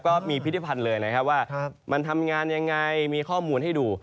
ก็มีพิธภัณฑ์เลยนะครับว่ามันทำงานยังไงมีข้อมูลให้ดู